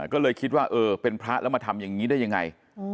ก็เลยคิดว่าเออเป็นพระแล้วมาทำอย่างนี้ได้ยังไง